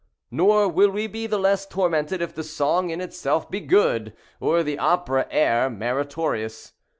Nor will we be the less tormented if the song in itself be good, or the opera air meritorious.